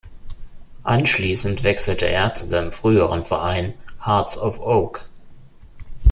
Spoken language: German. Anschließend wechselte er zu seinem früheren Verein Hearts of Oak.